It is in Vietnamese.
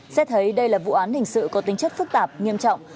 xét thấy đây là vụ án hình sự có tính chất phức tạp nghiêm trọng